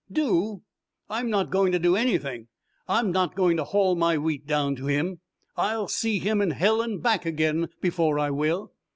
"Do! I'm not going to do anything! I'm not going to haul my wheat down to him I'll see him in hell and back again before I will."